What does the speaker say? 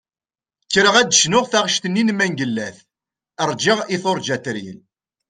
Kkreɣ ad d-cnuɣ taɣect-nni n Mengellat "Rğiɣ i turğa teryel".